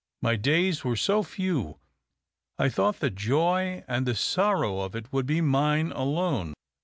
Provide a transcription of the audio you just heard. My days were so few — I thought the joy and the sorrow of it would be mine alone.